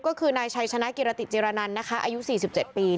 ก็คือนายชัยชนะกิรติจิรนันนะคะอายุ๔๗ปี